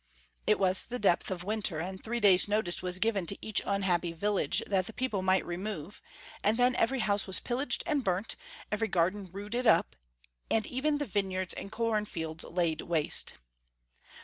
It was the depth of winter, and 366 Leopold L 367 three days' notice was given to each unhappy village that the people might remove, and then every house was pillaged and burnt, every garden rooted up, and even the vineyards and corn fields laid waste.